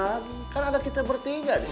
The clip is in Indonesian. lagi kan ada kita bertiga di situ